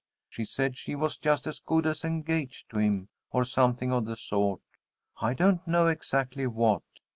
She said she was just as good as engaged to him, or something of the sort, I don't know exactly what.